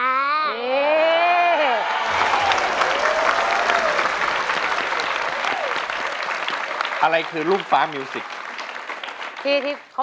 แล้วน้องใบบัวร้องได้หรือว่าร้องผิดครับ